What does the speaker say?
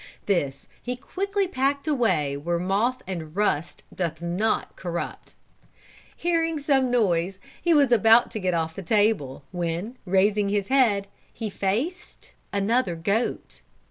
This he quickly packed away where moth and rust doth not corrupt. Hearing some noise, he was about to get off the table, when raising his head, he faced another goat.